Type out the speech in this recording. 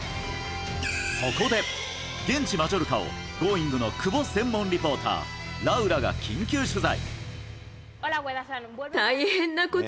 そこで現地マジョルカを「Ｇｏｉｎｇ！」の久保専門リポーターラウラが緊急取材。